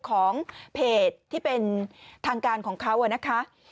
ของเพจที่เป็นทางการของเขานะคะ